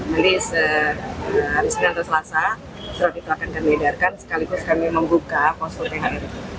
jadi sehari setelah selasa kita akan membedarkan sekaligus kami membuka posko thr